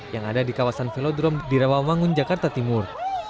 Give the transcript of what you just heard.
yang ada di kawasan velodrome di rawamangun jakarta timur